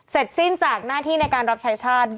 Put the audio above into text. สิ้นจากหน้าที่ในการรับใช้ชาติ